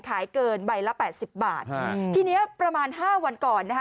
ขายเกินใบละ๘๐บาททีนี้ประมาณ๕วันก่อนนะฮะ